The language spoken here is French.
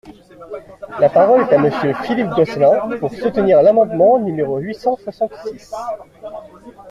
La parole est à Monsieur Philippe Gosselin, pour soutenir l’amendement numéro huit cent soixante-six.